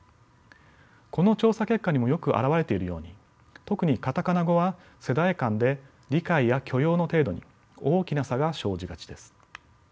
この調査結果にもよく表れているように特にカタカナ語は世代間で理解や許容の程度に大きな差が生じがちです。